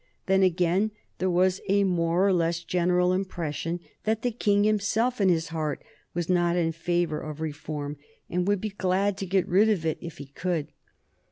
Then, again, there was a more or less general impression that the King himself, in his heart, was not in favor of reform and would be glad to get rid of it if he could.